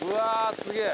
すげえ！